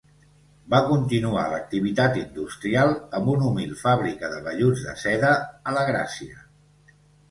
Va continuar l'activitat industrial amb una humil fàbrica de velluts de seda a la Gràcia.